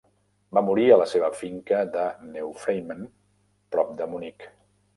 Va morir a la seva finca de Neufreimann, prop de Munic.